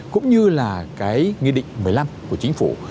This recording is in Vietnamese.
cũng như là cái nghị định một mươi năm của chính phủ